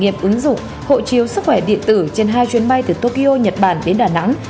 nghiệp ứng dụng hộ chiếu sức khỏe điện tử trên hai chuyến bay từ tokyo nhật bản đến đà nẵng